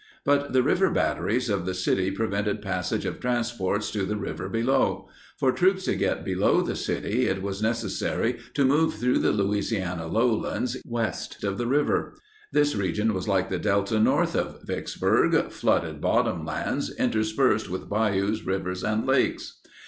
But the river batteries of the city prevented passage of transports to the river below; for troops to get below the city it was necessary to move through the Louisiana lowlands west of the river. This region was like the Delta north of Vicksburg—flooded bottom lands interspersed with bayous, rivers, and lakes.